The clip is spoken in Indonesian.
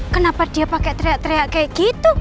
kenapa dia pakai teriak teriak kayak gitu